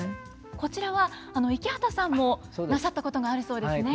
こちらは池畑さんもなさったことがあるそうですね。